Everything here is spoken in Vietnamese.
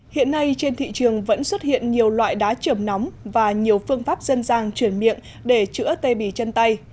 hiện nay trên thị trường vẫn xuất hiện nhiều loại đá trường nóng và nhiều phương pháp dân gian chuyển miệng để chữa tê bì chân tay